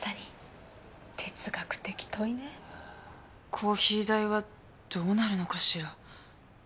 コーヒー代はどうなるのかしら